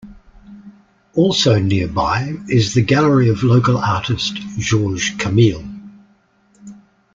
Also nearby is the gallery of local artist Georges Camille.